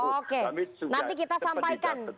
oke nanti kita sampaikan